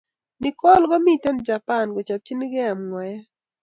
Nikol ko mkiten japan kochapchinkee ngwaek